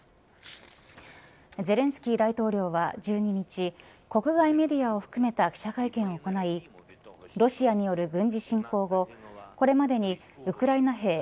ゼレンスキー大統領は１２日国外メディアを含めた記者会見を行いロシアによる軍事侵攻後これまでにウクライナ兵